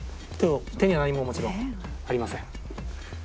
手には何ももちろんありません。